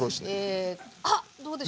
えあっどうでしょう？